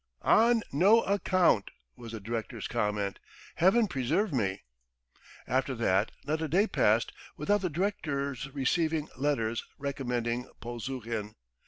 "On no account!" was the director's comment. "Heaven preserve me!" After that, not a day passed without the director's receiving letters recommending Polzuhin.